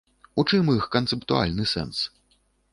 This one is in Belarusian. У чым іх канцэптуальны сэнс?